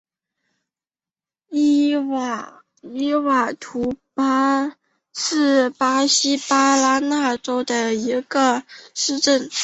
伊瓦图巴是巴西巴拉那州的一个市镇。